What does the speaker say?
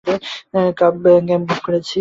Cab book করেছি।